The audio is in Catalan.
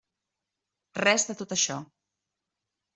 Res de tot això.